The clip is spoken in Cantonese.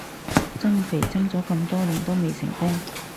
增肥增咗咁多年都未成功